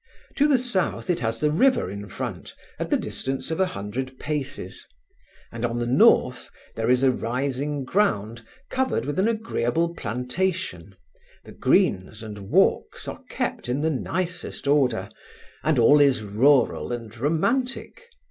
To the south it has the river in front, at the distance of a hundred paces; and on the north, there is a rising ground covered with an agreeable plantation; the greens and walks are kept in the nicest order, and all is rural and romantic.